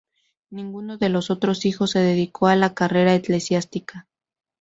Ninguno de los otros hijos se dedicó a la carrera eclesiástica.